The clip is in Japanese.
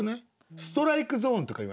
「ストライクゾーン」とか言わない？